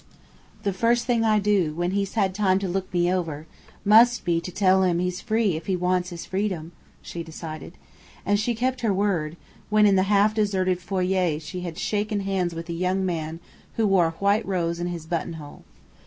"The first thing I do, when he's had time to look me over, must be to tell him he's free if he wants his freedom," she decided. And she kept her word, when in the half deserted foyer she had shaken hands with a young man who wore a white rose in his buttonhole.